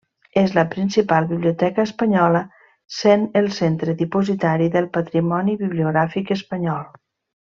És la principal biblioteca espanyola, sent el centre dipositari del patrimoni bibliogràfic espanyol.